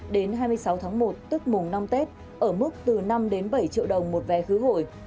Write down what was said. đến hai mươi sáu tháng một tức mùng năm tết ở mức từ năm đến bảy triệu đồng một vé khứ hồi